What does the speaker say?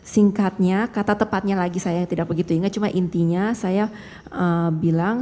singkatnya kata tepatnya lagi saya tidak begitu ingat cuma intinya saya bilang